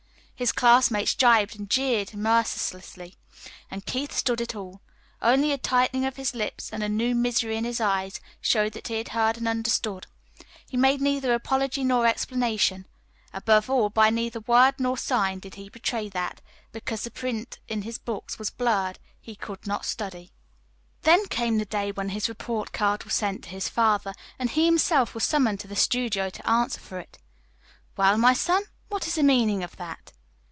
His classmates gibed and jeered mercilessly. And Keith stood it all. Only a tightening of his lips and a new misery in his eyes showed that he had heard and understood. He made neither apology nor explanation. Above all, by neither word nor sign did he betray that, because the print in his books was blurred, he could not study. Then came the day when his report card was sent to his father, and he himself was summoned to the studio to answer for it. "Well, my son, what is the meaning of that?"